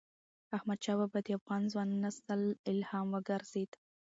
احمدشاه بابا د افغان ځوان نسل الهام وګرځيد.